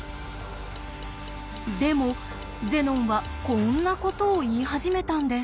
でもゼノンはこんなことを言い始めたんです。